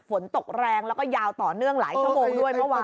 ฝนตกแรงแล้วก็ยาวต่อเนื่องหลายชั่วโมงด้วยเมื่อวาน